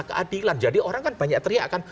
keadilan jadi orang kan banyak teriak kan